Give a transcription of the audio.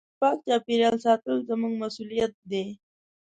د پاک چاپېریال ساتل زموږ مسؤلیت دی.